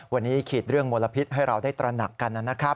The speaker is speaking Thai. วันนี้ขีดเรื่องมลพิษให้เราได้ตระหนักกันนะครับ